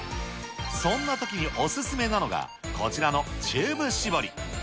そんなときにお勧めなのが、こちらのチューブ絞り。